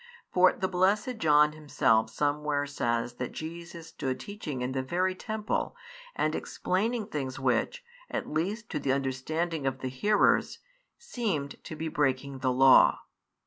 For the blessed John himself somewhere says that Jesus stood teaching in the very temple and explaining things which, at least to the understanding of His hearers, seemed to be breaking the law.